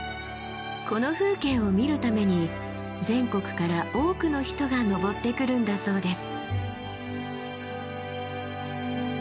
この風景を見るために全国から多くの人が登ってくるんだそうです。